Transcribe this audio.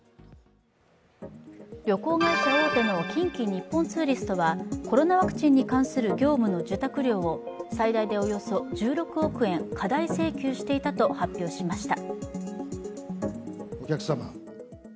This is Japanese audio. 旅行会社大手の近畿日本ツーリストはコロナワクチンに関する業務の受託料を、最大でおよそ１６億円、過大請求していたと発表しました。